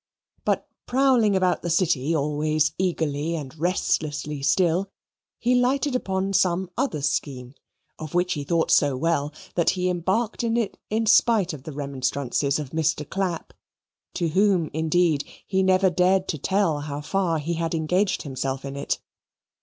But, prowling about the City always eagerly and restlessly still, he lighted upon some other scheme, of which he thought so well that he embarked in it in spite of the remonstrances of Mr. Clapp, to whom indeed he never dared to tell how far he had engaged himself in it.